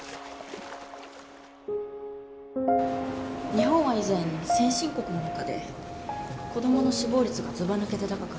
日本は以前先進国の中で子供の死亡率がずばぬけて高かった。